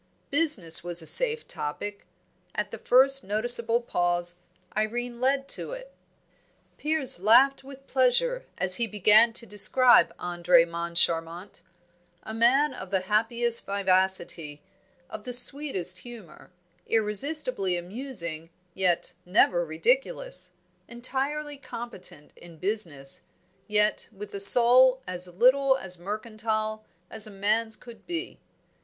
Business was a safe topic; at the first noticeable pause, Irene led to it. Piers laughed with pleasure as he began to describe Andre Moncharmont. A man of the happiest vivacity, of the sweetest humour, irresistibly amusing, yet never ridiculous entirely competent in business, yet with a soul as little mercantile as man's could be.